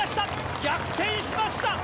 逆転しました。